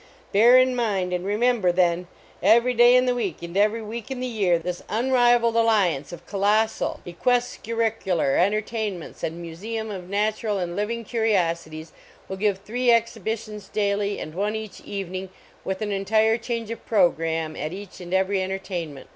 Bear in mind and remember, then ! Every day in the week, and every week in the year, this unrivaled alliance of colossal cquescur ricular entertainment and museum of natural and living curiosities will give three exhibi tions daily and one each evening with an entire change of programme at each and every entertainment.